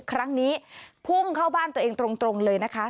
ครั้งนี้พุ่งเข้าบ้านตัวเองตรงเลยนะคะ